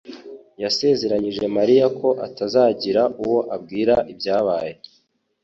yasezeranyije Mariya ko atazagira uwo abwira ibyabaye.